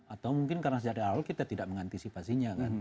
atau mungkin karena sejak dari awal kita tidak mengantisipasinya kan